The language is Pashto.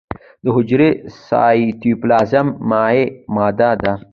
د حجرې سایتوپلازم مایع ماده ده